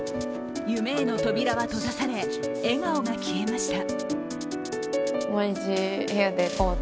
夢への扉は閉ざされ、笑顔が消えました。